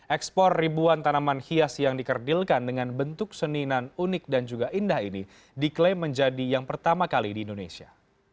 ekspor ribuan tanaman hias yang dikerdilkan dengan bentuk seninan unik dan juga indah ini diklaim menjadi yang pertama kali di indonesia